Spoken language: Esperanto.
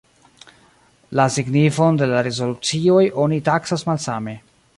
La signifon de la rezolucioj oni taksas malsame.